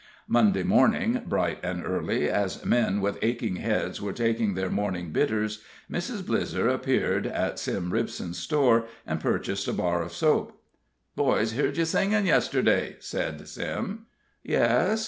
Monday morning, bright and early, as men with aching heads were taking their morning bitters, Mrs. Blizzer appeared at Sim Ripson's store, and purchased a bar of soap. "Boys heard ye singin' yesterday," said Sim. "Yes?"